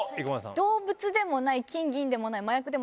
動物でもない金銀でもない麻薬でもない。